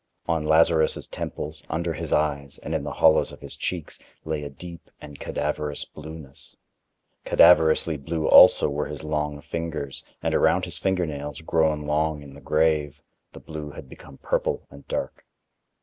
On Lazarus' temples, under his eyes, and in the hollows of his cheeks, lay a deep and cadaverous blueness; cadaverously blue also were his long fingers, and around his fingernails, grown long in the grave, the blue had become purple and dark.